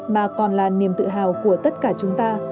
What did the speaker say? mà còn là niềm tự hào của tất cả chúng ta